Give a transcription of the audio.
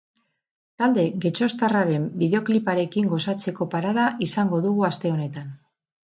Talde getxoztarraren bideokliparekin gozatzeko parada izango dugu aste honetan.